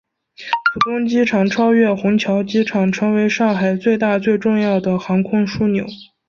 浦东机场超越虹桥机场成为上海最大最重要的航空枢纽。